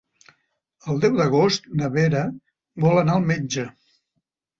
El deu d'agost na Vera vol anar al metge.